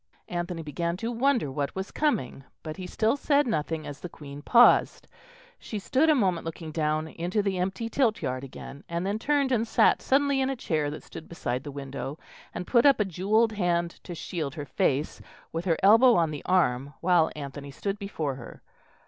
Anthony began to wonder what was coming; but he still said nothing as the Queen paused. She stood a moment looking down into the empty Tilt yard again, and then turned and sat suddenly in a chair that stood beside the window, and put up a jewelled hand to shield her face, with her elbow on the arm, while Anthony stood before her.